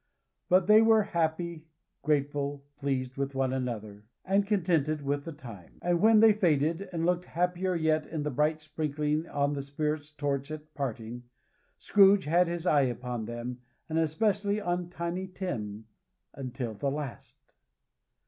But they were happy, grateful, pleased with one another, and contented with the time; and when they faded, and looked happier yet in the bright sprinklings of the Spirit's torch at parting, Scrooge had his eye upon them, and especially on Tiny Tim, until the last.